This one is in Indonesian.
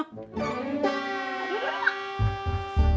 aduh aduh mak